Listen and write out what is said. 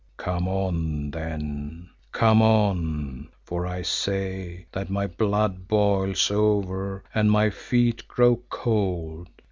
Come on, then! Come on, for I say that my blood boils over and my feet grow cold.